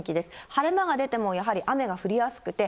晴れ間が出てもやはり雨が降りやすくて、